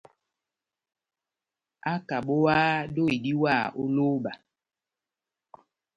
ákabówáhá dóhi diwáha ó lóba